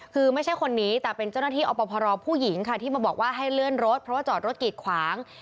คือไม่ใช่คนนี้แต่เป็นเจ้าหน้าที่อบพรผู้หญิงค่ะที่มาบอกว่าให้เลื่อนรถเพราะว่าจอดรถกีดขวาง